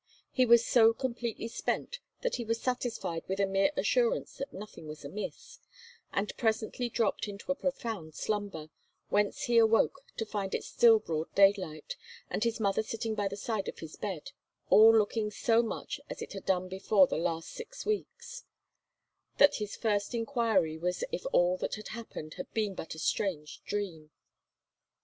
He was so completely spent that he was satisfied with a mere assurance that nothing was amiss, and presently dropped into a profound slumber, whence he awoke to find it still broad daylight, and his mother sitting by the side of his bed, all looking so much as it had done for the last six weeks, that his first inquiry was if all that had happened had been but a strange dream.